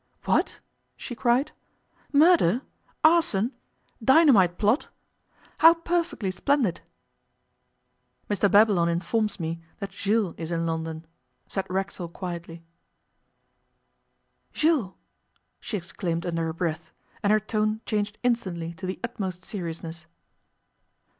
'What?' she cried. 'Murder? Arson? Dynamite plot? How perfectly splendid!' 'Mr Babylon informs me that Jules is in London,' said Racksole quietly. 'Jules!' she exclaimed under her breath, and her tone changed instantly to the utmost seriousness.